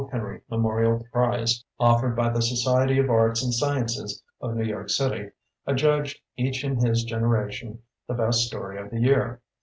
Henry Memorial Prize, of fered by the Society of Arts and Sci ences of New York City, adjudged "Each in His Generation" the best story of the year.